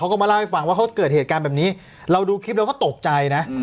เขาก็มาเล่าให้ฟังว่าเขาเกิดเหตุการณ์แบบนี้เราดูคลิปเราก็ตกใจนะ